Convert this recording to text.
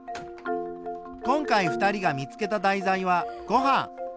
今回２人が見つけた題材は「ごはん」。